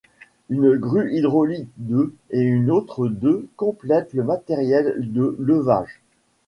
Une grue hydraulique de et une autre de complètent le matériel de levage.